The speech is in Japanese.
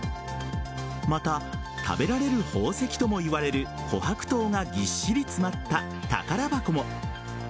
また食べられる宝石ともいわれる琥珀糖がぎっしり詰まった宝箱も。